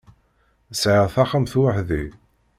Sɛiɣ taxxamt weḥd-i.